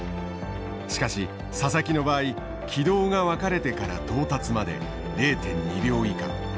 しかし佐々木の場合軌道が分かれてから到達まで０．２秒以下。